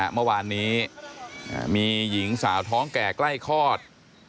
เมื่อวานนี้มีหญิงสาวท้องแก่ใกล้คลอด